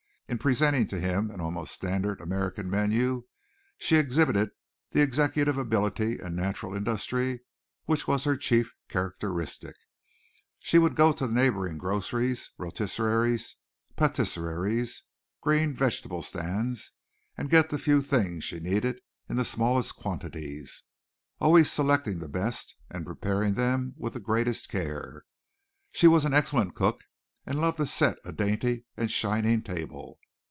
In presenting to him an almost standard American menu she exhibited the executive ability and natural industry which was her chief characteristic. She would go to the neighboring groceries, rotisseries, patisseries, green vegetable stands, and get the few things she needed in the smallest quantities, always selecting the best and preparing them with the greatest care. She was an excellent cook and loved to set a dainty and shining table.